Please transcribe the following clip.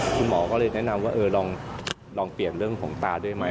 คุณหมอก็เลยแนะนำว่าเออลองเปลี่ยนเรื่องของตาด้วยไหม